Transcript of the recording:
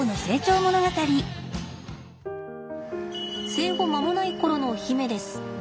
生後間もない頃の媛です。